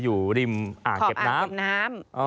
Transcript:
อยู่ริมอาห์เก็บน้ำ